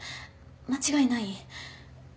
間違いない？